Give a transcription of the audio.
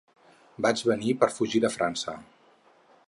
Vaig venir per fugir de França.